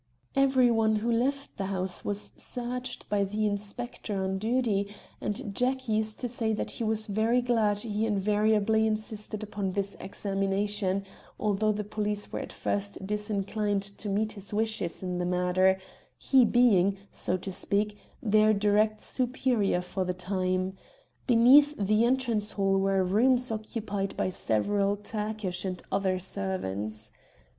"Every one who left the house was searched by the inspector on duty, and Jack used to say that he was very glad he invariably insisted upon this examination, although the police were at first disinclined to meet his wishes in the matter, he being, so to speak, their direct superior for the time. Beneath the entrance hall were rooms occupied by several Turkish and other servants.